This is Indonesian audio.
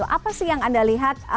apa sih yang anda lihat